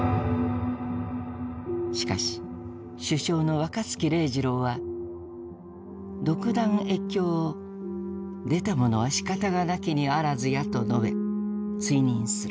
しかし首相の若槻礼次郎は独断越境を「出たものは仕方がなきにあらずや」と述べ追認する。